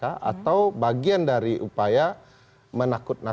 atau bagian dari upaya menakut nakuti